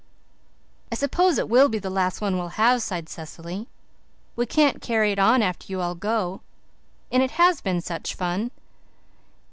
"I s'pose it will be the last one we'll have," sighed Cecily. "We can't carry it on after you all go, and it has been such fun."